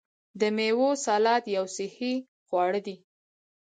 د میوو سلاد یو صحي خواړه دي.